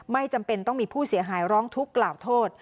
ไม่จำเป็นต้องมีผู้เสียหายร้องทุกข์กล่าวโทษ